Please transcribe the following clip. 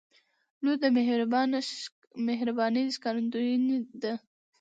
• لور د مهربانۍ ښکارندوی ده.